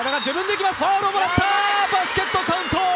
バスケットカウント！